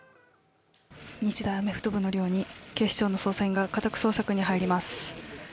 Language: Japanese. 日大アメフト部の寮に警視庁の捜査員が家宅捜索に入ります。